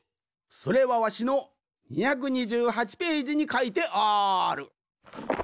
それはわしの２２８ページにかいてある。